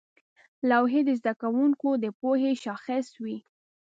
لوحې د زده کوونکو د پوهې شاخص وې.